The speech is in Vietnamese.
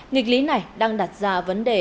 nghịch lý này đang đặt ra vấn đề